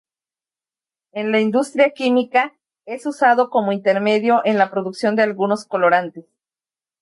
En la industria química es usado como intermedio en la producción de algunos colorantes.